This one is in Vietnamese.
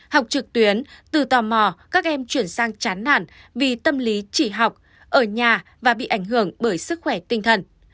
học trực tuyến từ tò mò các em chuyển sang chán nản vì tâm lý chỉ học ở nhà và bị ảnh hưởng bởi sức khỏe tinh thần